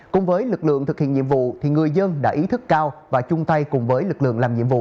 cùng với lực lượng thực hiện nhiệm vụ người dân đã ý thức cao và chung tay cùng với lực lượng làm nhiệm vụ